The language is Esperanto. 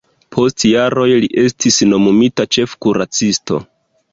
Post jaroj li estis nomumita ĉefkuracisto.